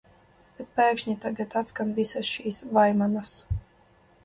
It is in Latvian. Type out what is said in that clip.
Bet pēkšņi tagad atskan visas šīs vaimanas.